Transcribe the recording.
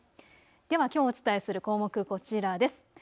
ではきょうお伝えする項目、こちらです。